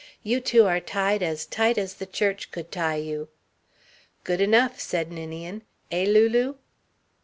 "You two are tied as tight as the church could tie you." "Good enough," said Ninian. "Eh, Lulu?"